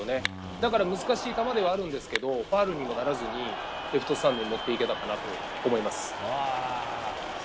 だから難しい球ではあるんですけどファウルにもならずにレフトスタンドに持っていけたかなと思います。